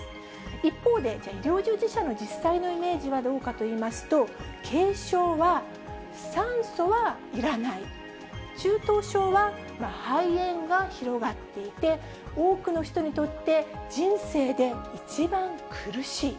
一方で、じゃあ、医療従事者の実際のイメージはどうかといいますと、軽症は酸素はいらない、中等症は肺炎が広がっていて、多くの人にとって人生で一番苦しい。